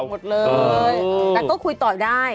หมดเลยแต่ก็คุยต่อได้